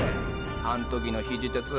あん時の肘テツ